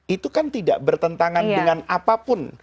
itu kan tidak bertentangan dengan apapun